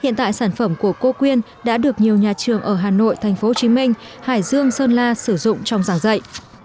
hiện tại sản phẩm của cô quyên đã được nhiều nhà trường ở hà nội tp hcm hải dương sơn la sử dụng trong giảng dạy